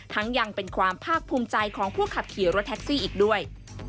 ยังเป็นความภาคภูมิใจของผู้ขับขี่รถแท็กซี่อีกด้วย